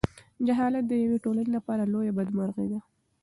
جهالت د یوې ټولنې لپاره لویه بدمرغي ده.